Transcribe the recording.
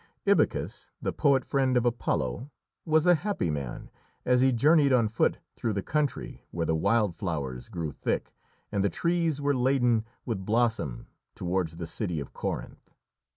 Ibycus, the poet friend of Apollo, was a happy man as he journeyed on foot through the country where the wild flowers grew thick and the trees were laden with blossom towards the city of Corinth.